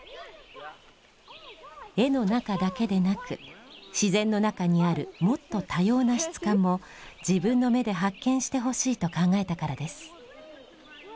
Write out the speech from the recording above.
絵の中だけでなく自然の中にあるもっと多様な質感も自分の目で発見してほしいと考えたからです。